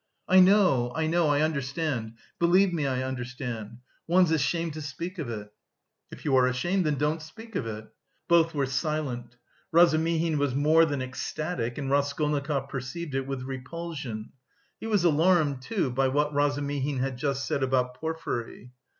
"I know, I know, I understand. Believe me, I understand. One's ashamed to speak of it." "If you are ashamed, then don't speak of it." Both were silent. Razumihin was more than ecstatic and Raskolnikov perceived it with repulsion. He was alarmed, too, by what Razumihin had just said about Porfiry.